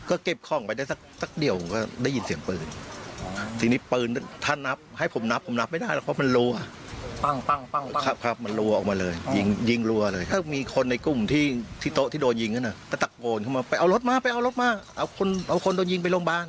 ก็คิดว่าคงจะเป็นตำรวจละมั้ง